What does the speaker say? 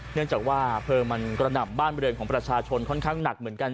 เนื่องจากว่าเพลิงมันกระหน่ำบ้านบริเวณของประชาชนค่อนข้างหนักเหมือนกัน